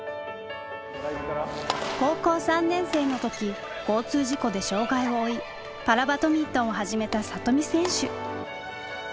高校３年生の時交通事故で障害を負いパラバドミントンを始めた里見選手。